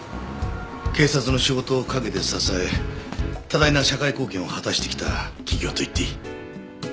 警察の仕事を陰で支え多大な社会貢献を果たしてきた企業といっていい。